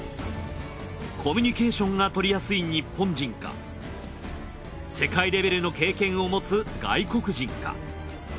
コミュニケーションが取りやすい日本人か世界レベルの経験を持つ外国人か。